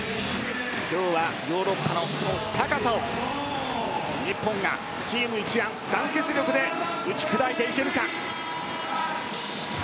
今日はヨーロッパのその高さを日本がチーム一丸団結力で打ち砕いていけるか。